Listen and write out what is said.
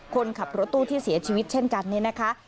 คนขับรถตู้ที่เสียชีวิตเช่นกันเนี่ยนะคะ